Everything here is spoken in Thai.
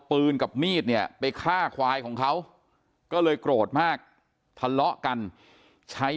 กับมีดเนี่ยไปฆ่าควายของเขาก็เลยโกรธมากทะเลาะกันใช้